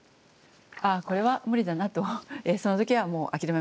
ああこれは無理だなとその時はもう諦めました。